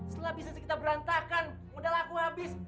setelah bisnis kita berantakan modal aku habis